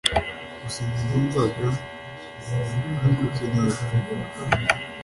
gusa njye numvaga nkigukeneye pe